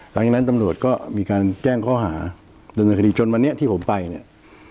หลังจากนั้นตำรวจก็มีการแจ้งข้อหาดำเนินคดีจนวันนี้ที่ผมไปเนี่ย